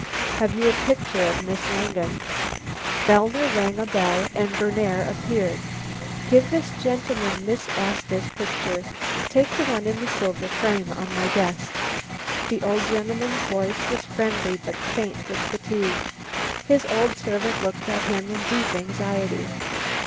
"Have you a picture of Miss Langen?" Fellner rang a bell and Berner appeared. "Give this gentleman Miss Asta's picture. Take the one in the silver frame on my desk;" the old gentleman's voice was friendly but faint with fatigue. His old servant looked at him in deep anxiety.